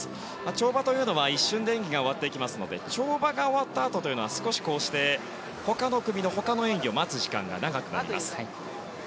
跳馬というのは一瞬で演技が終わっていきますので跳馬が終わったあとは少し他の組の演技を待つ時間が長くなります。